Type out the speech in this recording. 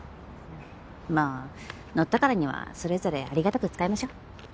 まあ乗ったからにはそれぞれありがたく使いましょう。